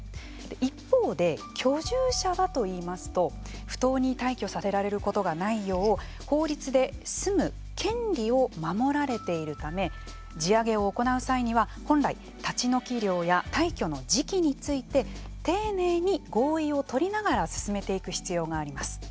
一方で、居住者はといいますと不当に退去させられることがないよう法律で住む権利を守られているため地上げを行う際には本来、立ち退き料や退去の時期について丁寧に合意を取りながら進めていく必要があります。